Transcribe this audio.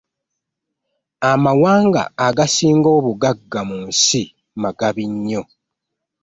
Amawanga agasinga obugagga mu nsi magabi nnyo.